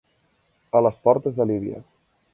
A les portes de Líbia.